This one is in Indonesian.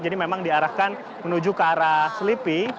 jadi memang diarahkan menuju ke arah slipi